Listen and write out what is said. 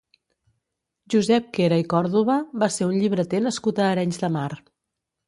Josep Quera i Còrdoba va ser un llibreter nascut a Arenys de Mar.